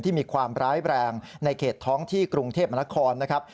มีความร้ายแรงในเขตท้องที่กรุงเทพมนครนะครับ